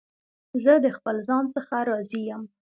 زه د خپل ځان څخه راضي یم.